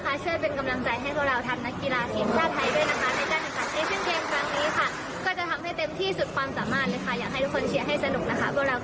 ก็จะทำให้เต็มที่สุดความสามารถเลยค่ะ